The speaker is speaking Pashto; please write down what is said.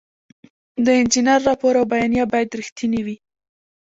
د انجینر راپور او بیانیه باید رښتینې وي.